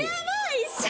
一緒！